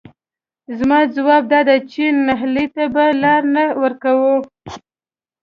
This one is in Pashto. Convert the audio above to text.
زما ځواب دادی چې نهیلۍ ته به لار نه ورکوو،